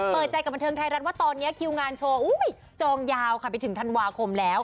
เปิดใจกับบันเทิงไทยรัฐว่าตอนนี้คิวงานโชว์จองยาวค่ะไปถึงธันวาคมแล้ว